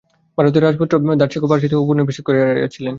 ভারতীয় রাজপুত্র দারাশেকো পারসীতে উপনিষদ অনুবাদ করাইয়াছিলেন।